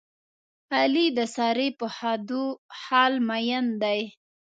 علي د سارې په خدو خال مین دی.